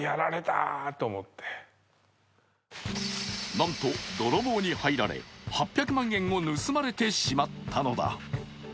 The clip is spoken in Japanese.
なんと泥棒に入られ８００万円を盗まれてしまったのだ。